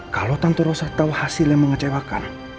kalau tanto rosa tahu hasil yang mengecewakan